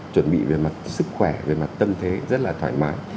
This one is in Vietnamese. chuẩn bị về mặt sức khỏe về mặt tâm thế rất là thoải mái